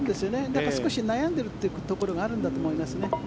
だから少し悩んでいるところがあるんだと思います。